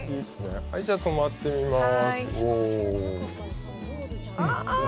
じゃあ、止まってみます。